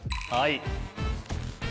はい。